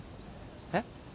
えっ？